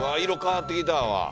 色変わってきたわ。